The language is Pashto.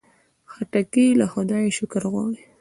خټکی له خدایه شکر غواړي.